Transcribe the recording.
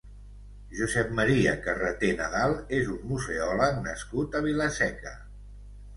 Josep Maria Carreté Nadal és un museòleg nascut a Vila-seca.